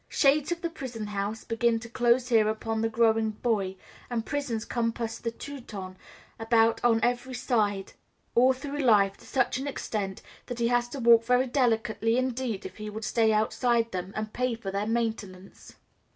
Shades of the prison house begin to close here upon the growing boy, and prisons compass the Teuton about on every side all through life to such an extent that he has to walk very delicately indeed if he would stay outside them and pay for their maintenance.